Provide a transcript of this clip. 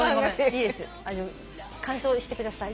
いいです観賞してください。